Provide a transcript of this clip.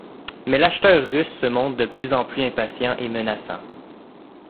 Mais l'acheteur russe se montre de plus en plus impatient et menaçant.